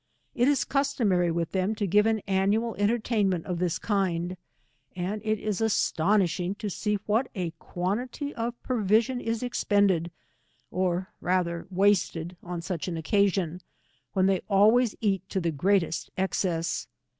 It is customary with them to give an annual entertainment of this kind, and it is astonishing to see what a quan tity of provision is expended, or rather wasted on such an occasion, when they alwayg eat to the greatest excess.